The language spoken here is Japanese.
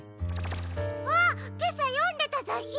あっけさよんでたざっしの！